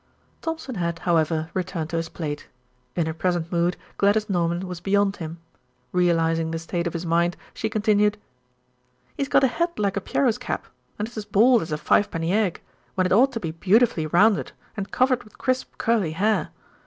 Thompson had, however, returned to his plate. In her present mood, Gladys Norman was beyond him. Realising the state of his mind, she continued: "He's got a head like a pierrot's cap and it's as bald as a fivepenny egg, when it ought to be beautifully rounded and covered with crisp curly hair.